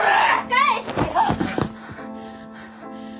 返してよ！